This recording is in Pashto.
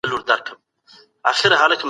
ایا په ټیکنالوژۍ کي بدلون اړین دی؟